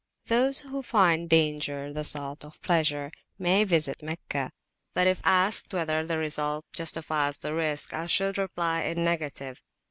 Those who find danger the salt of pleasure may visit Meccah; but if asked whether the results justify the risk, I should reply in the negative.